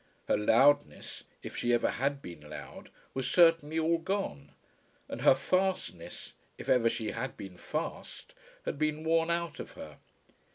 Her loudness, if she ever had been loud, was certainly all gone, and her fastness, if ever she had been fast, had been worn out of her.